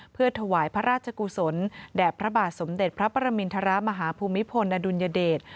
เพื่อถวายพระราชกุศลแด่พระบาทสมเด็จพระประมินทรมาฮภูมิพลอดุลยเดช